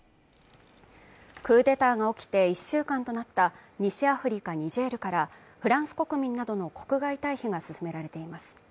クーデターが起きて１週間となった西アフリカ・ニジェールからフランス国民などの国外退避が進められています